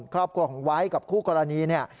ครอบครัวของไวท์กับคู่กรณีเนี่ย